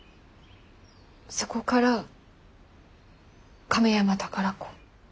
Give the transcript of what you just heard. そこから亀山宝子。